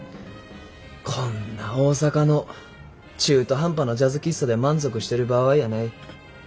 こんな大阪の中途半端なジャズ喫茶で満足してる場合やない。